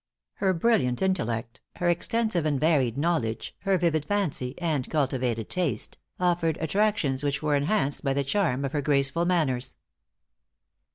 Her brilliant intellect, her extensive and varied knowledge, her vivid fancy, and cultivated taste, offered attractions which were enhanced by the charm of her graceful manners.